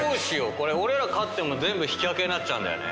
これ俺ら勝っても引き分けになっちゃうんだよね。